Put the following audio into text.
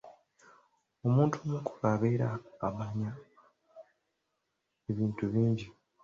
Omuntu omukulu abeera abanyi ebintu bingi.